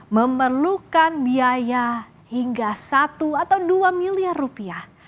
memerlukan biaya hingga satu atau dua miliar rupiah